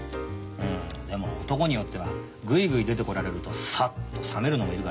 うんでも男によってはぐいぐい出てこられるとさっと冷めるのもいるからね。